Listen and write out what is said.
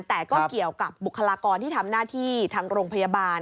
แต่ก็เกี่ยวกับบุคลากรที่ทำหน้าที่ทางโรงพยาบาล